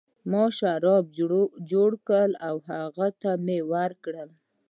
ما شراب جوړ کړل او هغه ته مې ورکړل.